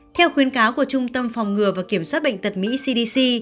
theo khuyến cáo của trung tâm phòng ngừa và kiểm soát bệnh tật mỹ cdc